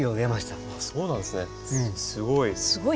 すごい。